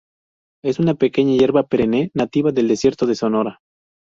Es una pequeña hierba perenne, nativa del desierto de Sonora.